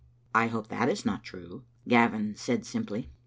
" I hope that is not true," Gavin said, simply.